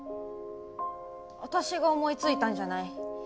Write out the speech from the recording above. あたしが思いついたんじゃない。